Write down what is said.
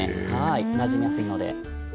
なじみやすいので。